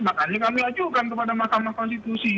makanya kami ajukan kepada mahkamah konstitusi